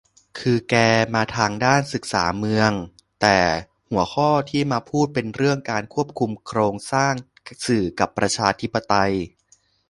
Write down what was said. คือแกมาทางด้านศึกษาเมือง แต่หัวข้อที่มาพูดเป็นเรื่องการควบคุมโครงสร้างสื่อกับประชาธิปไตย